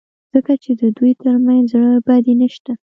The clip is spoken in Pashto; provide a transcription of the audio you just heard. ځکه چې د دوی ترمنځ زړه بدي نشته.